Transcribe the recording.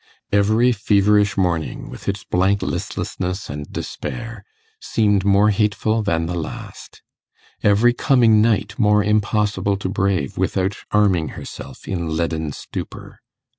Every feverish morning, with its blank listlessness and despair, seemed more hateful than the last; every coming night more impossible to brave without arming herself in leaden stupor.